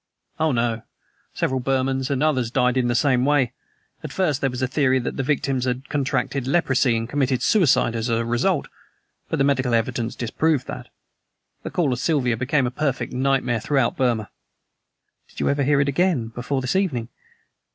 "Oh, no. Several Burmans and others died in the same way. At first there was a theory that the victims had contracted leprosy and committed suicide as a result; but the medical evidence disproved that. The Call of Siva became a perfect nightmare throughout Burma." "Did you ever hear it again, before this evening?"